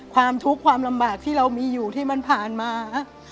ความทุกข์ความลำบากที่เรามีอยู่ที่มันผ่านมา